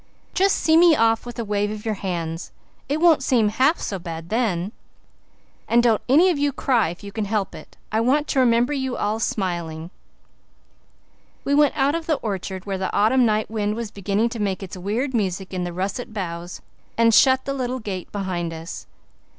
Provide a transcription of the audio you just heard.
Just see me off with a wave of your hands. It won't seem half so bad then. And don't any of you cry if you can help it. I want to remember you all smiling." We went out of the old orchard where the autumn night wind was beginning to make its weird music in the russet boughs, and shut the little gate behind us.